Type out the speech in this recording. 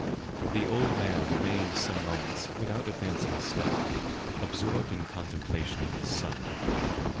The old man remained some moments without advancing a step, absorbed in contemplation of his son.